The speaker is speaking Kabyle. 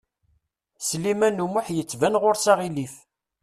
Sliman U Muḥ yettban ɣur-s aɣilif.